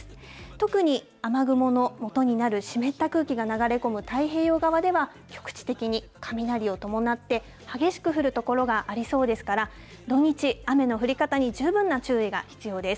特に雨雲のもとになる湿った空気が流れ込む太平洋側では、局地的に雷を伴って、激しく降る所がありそうですから、土日、雨の降り方に十分な注意が必要です。